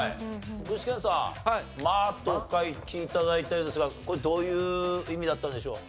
具志堅さん「ま」とお書き頂いたようですがこれどういう意味だったんでしょう？